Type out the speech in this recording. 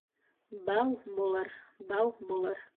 Бау булыр, бау булыр